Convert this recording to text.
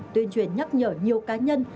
tuyên truyền nhắc nhở nhiều cá nhân